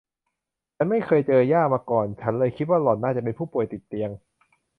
ฉันไม่เคยเจอย่ามาก่อน ฉันเลยคิดว่าหล่อนน่าจะเป็นผู้ป่วยติดเตียง